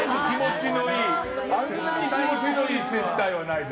あんなに気持ちのいい接待はないです。